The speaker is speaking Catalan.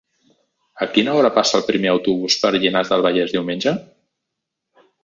A quina hora passa el primer autobús per Llinars del Vallès diumenge?